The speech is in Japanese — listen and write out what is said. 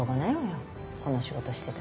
この仕事してたら。